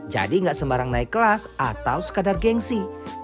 jadi nggak sembarang naik kelas atau sekadar gengsi